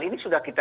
ini sudah kita